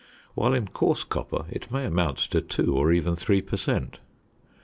whilst in coarse copper it may amount to 2 or even 3 per cent.